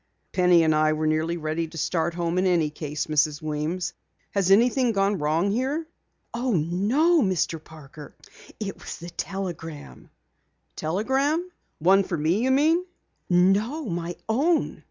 "Penny and I were nearly ready to start home in any case, Mrs. Weems. Has anything gone wrong here?" "Oh, no, Mr. Parker. It was the telegram." "Telegram? One for me, you mean?" "No, my own."